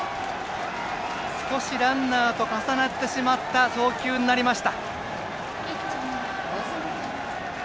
少しランナーと重なってしまった送球になりました。